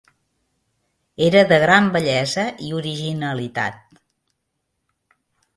Era de gran bellesa i originalitat.